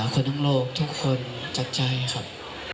คนทั้งโลกทุกคนจากใจครับ